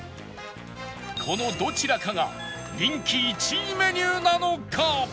このどちらかが人気１位メニューなのか？